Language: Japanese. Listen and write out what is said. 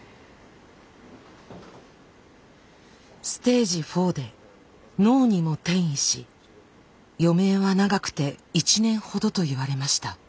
ステージ４で脳にも転移し余命は長くて１年ほどと言われました。